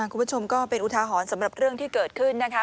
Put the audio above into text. คุณผู้ชมก็เป็นอุทาหอนสำหรับเรื่องที่เกิดขึ้นนะคะ